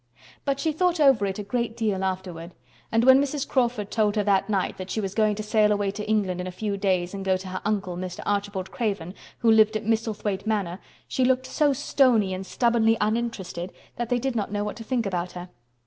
But she thought over it a great deal afterward; and when Mrs. Crawford told her that night that she was going to sail away to England in a few days and go to her uncle, Mr. Archibald Craven, who lived at Misselthwaite Manor, she looked so stony and stubbornly uninterested that they did not know what to think about her.